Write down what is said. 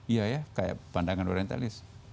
iya ya kayak pandangan orientalis